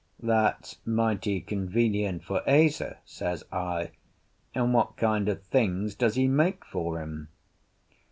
"That's mighty convenient for Ese," says I. "And what kind of things does he make for him?"